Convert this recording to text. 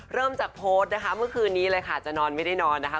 เริ่มจากโพสต์นะคะเมื่อคืนนี้เลยค่ะจะนอนไม่ได้นอนนะคะ